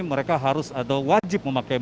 mereka harus atau wajib memakai